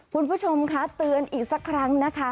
คุณผู้ชมค่ะเตือนอีกสักครั้งนะคะ